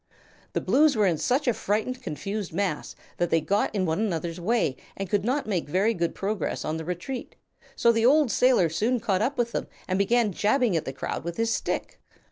The Blues were in such a frightened, confused mass that they got in one another's way and could not make very good progress on the retreat, so the old sailor soon caught up with them and began jabbing at the crowd with his stick.